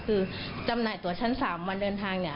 คือจำหน่ายตัวชั้น๓วันเดินทางเนี่ย